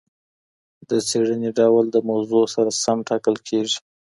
د څېړنې ډول د موضوع سره سم ټاکل کېږي.